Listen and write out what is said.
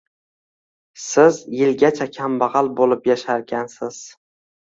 - Siz yilgacha kambag'al bo'lib yasharkansiz!